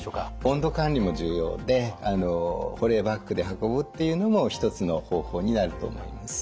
温度管理も重要で保冷バッグで運ぶっていうのも一つの方法になると思います。